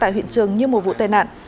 huyện trường như một vụ tai nạn